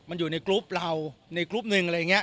มันอยู่ในกรุ๊ปเราในกรุ๊ปหนึ่งอะไรอย่างนี้